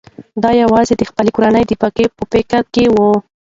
دی یوازې د خپلې کورنۍ د بقا په فکر کې و.